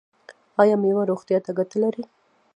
ایا میوه روغتیا ته ګټه لري؟